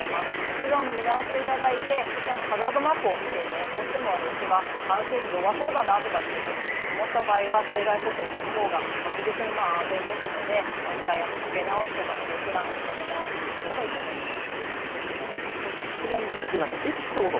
一度見直していただいてハザードマップを見てどうしてもうちは冠水に弱そうだなというふうに思ったら水害補償が効くほうが確実に安全ですので１回つけ直すなどプラン立て直してみたほうがいいと思います。